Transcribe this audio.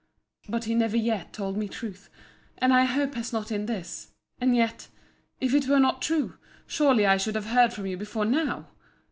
But he never yet told me truth, and I hope has not in this: and yet, if it were not true, surely I should have heard from you before now!